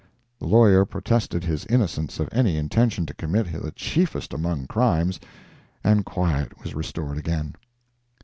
The lawyer protested his innocence of any intention to commit the chiefest among crimes, and quiet was restored again.